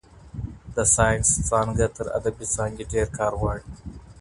د ساینس څانګه تر ادبي څانګې ډېر کار غواړي.